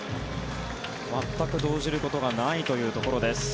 全く動じることがないというところです。